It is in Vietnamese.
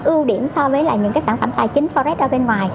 nó có cái ưu điểm so với là những cái sản phẩm tài chính forex ở bên ngoài